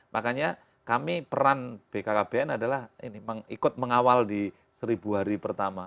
makanya kami peran bkkbn adalah ini ikut mengawal di seribu hari pertama